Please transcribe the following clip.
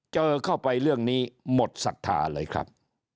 เจอเข้าไปเรื่องนี้หมดศรัทธาเลยครับ